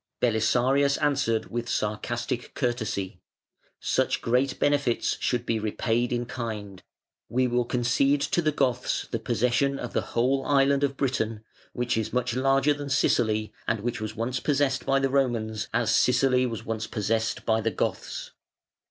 Belisarius answered with sarcastic courtesy: "Such great benefits should be repaid in kind. We will concede to the Goths the possession of the whole island of Britain, which is much larger than Sicily, and which was once possessed by the Romans as Sicily was once possessed by the Goths".